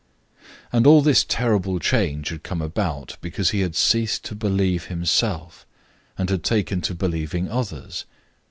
And all this terrible change had come about because he had ceased to believe himself and had taken to believing others.